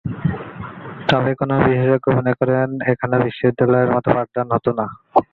তবে কোনো কোনো বিশেষজ্ঞ মনে করেন এখানে বিশ্ববিদ্যালয়ের মতো পাঠদান করা হতো না।